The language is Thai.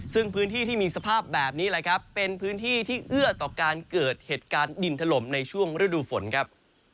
ซึ่งพื้นที่ที่มีสภาพแบบนี้แหละครับเป็นพื้นที่ที่เอื้อต่อการเกิดเหตุการณ์ดินถล่มในช่วงฤดูฝนครับ